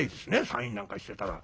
サインなんかしてたら。